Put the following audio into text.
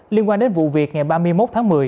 liên quan đến vụ việc ngày ba mươi một tháng một mươi